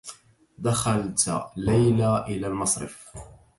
دخلت ليلى إلى المصرف.